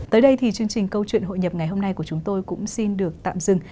tới đây thì chương trình câu chuyện hội nhập ngày hôm nay của chúng tôi cũng xin được tạm dừng